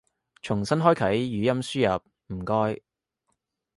重新開啟語音輸入唔該